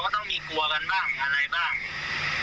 ต้องมีกลัวกันบ้างอะไรบ้าง